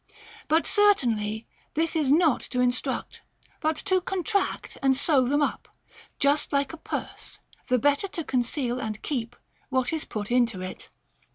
But cer tainly this is not to instruct, but to contract and sew them up, just like a purse, the better to conceal and keep what is put into it.